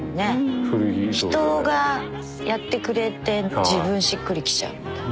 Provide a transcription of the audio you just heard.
人がやってくれて自分しっくりきちゃうみたいな。